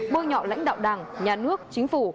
bơi nhỏ lãnh đạo đảng nhà nước chính phủ